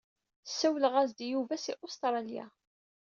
Sawleɣ-as-d i Yuba si Ustralya.